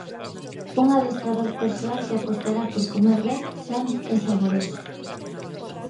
Un adestrador persoal que apostará por comer ben, san e saboroso.